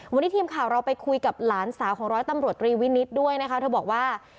วันนี้ทีมข่าวเราไปคุยกับหลานสาวของร้อยตำรวจตรีวินิตด้วยนะคะเธอบอกว่า